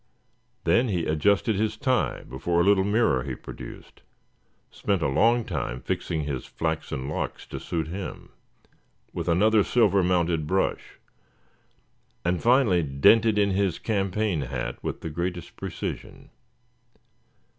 Then he adjusted his tie before a little mirror he produced, spent a long time fixing his flaxen locks to suit him, with another silver mounted brush; and finally dented in his campaign hat with the greatest precision.